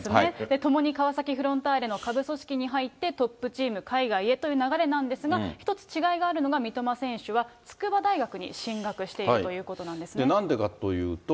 共に川崎フロンターレの下部組織に入ってトップチーム、海外へという流れなんですが、一つ違いがあるのが、三笘選手は筑波大学に進学しているということですね。